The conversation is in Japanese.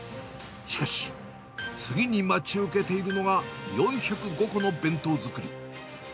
しかし、次に待ち受けているのが４０５個の弁当作り。